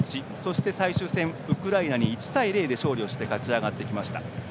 最終戦、ウクライナに１対０で勝利して勝ち上がってきました。